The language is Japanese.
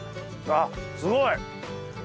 あっすごい！